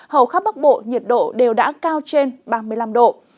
hầu khắp bắc bộ nhiệt độ đều đã cao trên ba mươi năm độ